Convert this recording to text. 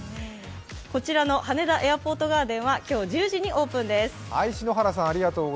こちらの羽田エアポートガーデンは今日１０時にオープンです。